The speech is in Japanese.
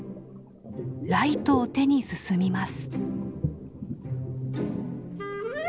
ライトを手に進みます。